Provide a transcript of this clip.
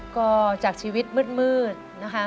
ก็จากชีวิตมืดนะคะ